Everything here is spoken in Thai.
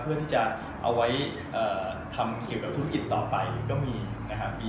เพื่อที่จะเอาไว้ทำเกี่ยวกับธุรกิจต่อไปก็มีนะครับ